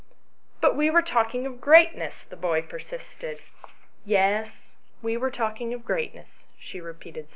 " But we were talking of greatness," the boy per sisted. " Yes, we were talking of greatness," she repeated 144 ANYHOW STORIES.